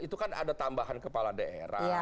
itu kan ada tambahan kepala daerah